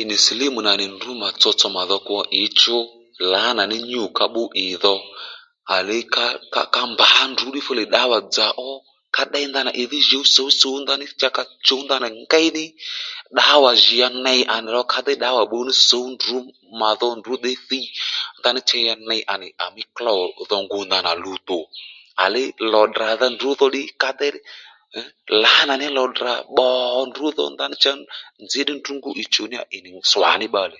Ì nì silímù nà nì ndrǔ mà tsotso màdho kwo ǐchí lǎnà ní nyû ka bbú ì dho à ley ka ka kambá ndrǔ ddí fulè ddǎwà-dzà ó ka ddéy ndannà ìdhí jǔw sǔw sǔw ndanà cha ka chǔw ndanà ngéy ní ddǎwà jì ya ney à nì ro ka déy ddǎwà bbu nú sǔw mà dho ndrǔ déy thiy nderó cha ya ney à nì klôw dho ngu ndanà luwtò à léy lò tdrǎdha ndrǔ dhò ddí ka déy lǎnà ní lò tdrà bbò ndrǔ dho ndaní cha nzǐ ddí ndrǔ ngú ì chùw ì nì swà ní bbalè